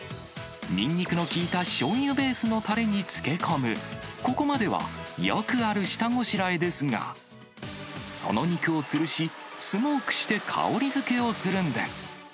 にんにくの効いたしょうゆベースのたれに漬け込む、ここまではよくある下ごしらえですが、その肉をつるし、スモークして香りづけをするんです。